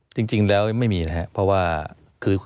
จริงแล้วไม่มีนะครับเพราะว่าคือ